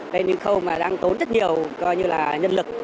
đến những khâu mà đang tốn rất nhiều nhân lực